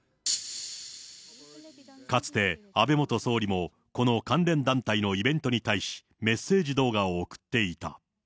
かつて、安倍元総理もこの関連団体のイベントに対し、メッセージ動画を送っていた。